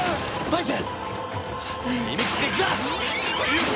バイス！